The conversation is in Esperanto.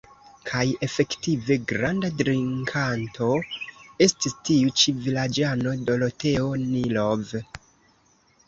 Kaj efektive, granda drinkanto estis tiu ĉi vilaĝano, Doroteo Nilov.